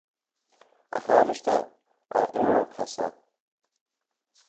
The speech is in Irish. A Thánaiste, a Oirirceasa